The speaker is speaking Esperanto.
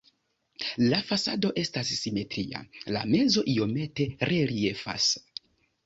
La fasado estas simetria, la mezo iomete reliefas.